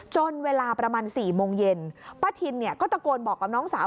จนเวลาประมาณ๔โมงเย็นป้าทินเนี่ยก็ตะโกนบอกกับน้องสาว